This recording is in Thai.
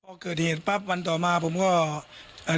พอเกิดเหตุปั๊บวันต่อมาผมก็เอ่อ